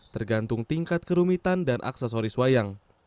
tergantung tingkat kerumitan dan aksesoris wayang